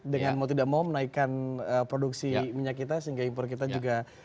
dengan mau tidak mau menaikkan produksi minyak kita sehingga impor kita juga